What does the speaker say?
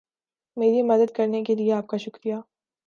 میری مدد کرنے کے لئے آپ کا شکریہ